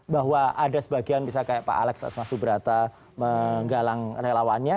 bahwa ada sebagian misalnya kayak pak alex asma subrata menggalang relawannya